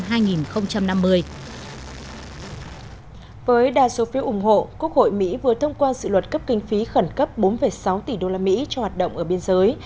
với đa số phiếu ủng hộ quốc hội mỹ vừa thông qua dự luật cấp kinh phí khẩn cấp bốn sáu tỷ usd cho hoạt động ở biên giới